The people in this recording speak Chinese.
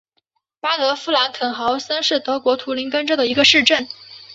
巴德夫兰肯豪森是德国图林根州的一个市镇。